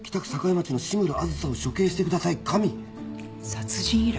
殺人依頼。